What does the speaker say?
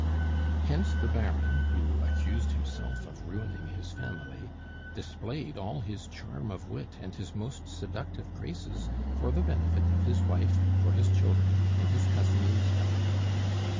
Hence the Baron, who accused himself of ruining his family, displayed all his charm of wit and his most seductive graces for the benefit of his wife, for his children, and his Cousin Lisbeth.